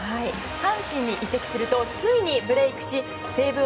阪神に移籍するとついにブレークしセーブ